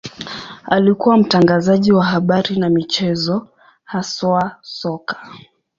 Alikuwa mtangazaji wa habari na michezo, haswa soka.